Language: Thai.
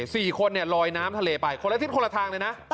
สี่คนเนี่ยลอยน้ำทะเลไปคนละทิศคนละทางเลยนะ